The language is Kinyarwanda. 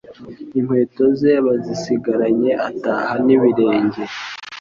Inkweto ze bazisigaranye ataha n' ibirenge